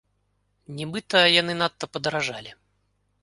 Нібыта, яны надта падаражалі.